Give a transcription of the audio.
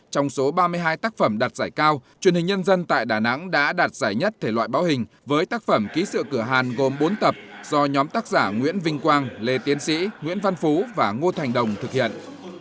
trong số ba mươi hai tác phẩm đạt giải cao truyền hình nhân dân tại đà nẵng đã đạt giải nhất thể loại báo hình với tác phẩm ký sự cửa hàn gồm bốn tập do nhóm tác giả nguyễn vinh quang lê tiến sĩ nguyễn văn phú và ngô thành đồng thực hiện